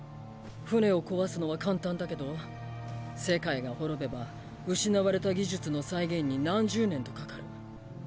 艇を壊すのは簡単だけど世界が滅べば失われた技術の再現に何十年とかかる。